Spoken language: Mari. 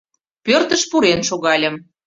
Пӧртыш пурен шогальым.